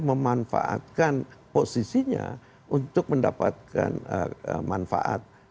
memanfaatkan posisinya untuk mendapatkan manfaat